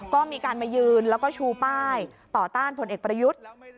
ก็มีการมายืนแล้วก็ชูป้ายต่อต้านผลเอกประยุทธ์